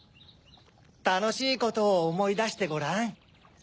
たのしいことをおもいだしてごらん。